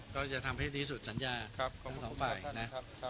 ก็จะทำให้ดีสุดสัญญาทั้ง๒ฝ่ายนะ